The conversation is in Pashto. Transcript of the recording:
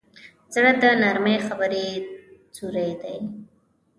زړه د نرمې خبرې سیوری دی.